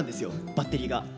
バッテリーが。